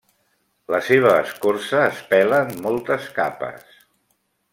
La seva escorça es pela en moltes capes.